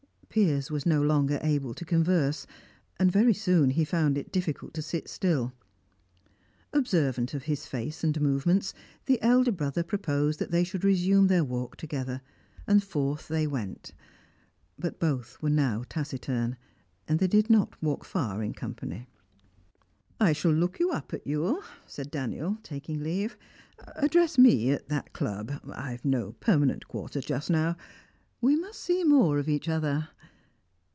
Piers was no longer able to converse, and very soon he found it difficult to sit still. Observant of his face and movements, the elder brother proposed that they should resume their walk together, and forth they went. But both were now taciturn, and they did not walk far in company. "I shall look you up at Ewell," said Daniel, taking leave. "Address me at that club; I have no permanent quarters just now. We must see more of each other."